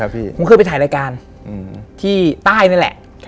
ผมเคยไปถ่ายรายการที่ใต้นี่แหละ